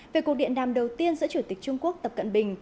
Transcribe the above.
về cuộc điện đàm đầu tiên giữa chủ tịch trung quốc tập cận bình